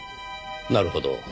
なるほど。